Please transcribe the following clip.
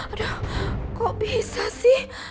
aduh kok bisa sih